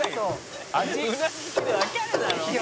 「うなずきでわかるだろ！」